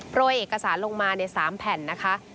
เอกสารลงมาใน๓แผ่นนะคะ